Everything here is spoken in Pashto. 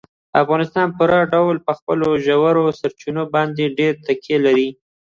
افغانستان په پوره ډول په خپلو ژورو سرچینو باندې ډېره تکیه لري.